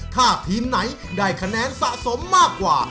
ถ้าทีมไหนได้คะแนนสะสมมากกว่า